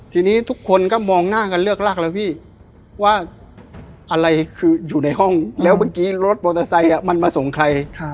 ทีนี้ทุกคนก็มองหน้ากันเลือกลากแล้วพี่ว่าอะไรคืออยู่ในห้องแล้วเมื่อกี้รถมอเตอร์ไซค์มันมาส่งใคร